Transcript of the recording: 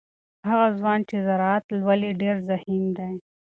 هغه ځوان چې زراعت لولي ډیر ذهین دی.